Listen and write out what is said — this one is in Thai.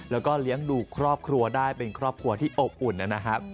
แล้วก็เลี้ยงดูครอบครัวได้เป็นครอบครัวที่อบอุ่นนะครับ